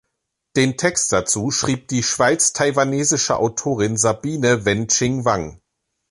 Den Text dazu schrieb die schweiz-taiwanesische Autorin Sabine Wen-Ching Wang.